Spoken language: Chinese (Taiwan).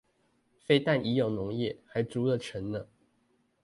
非但已有農業，還築了城呢！